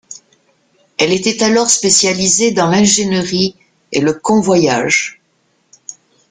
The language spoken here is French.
Elle était alors spécialisée dans l'ingénierie et le convoyage.